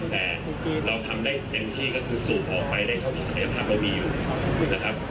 แต่เราทำได้เต็มที่ก็คือสูบออกไปในท่องพิสัยภาพเรามีอยู่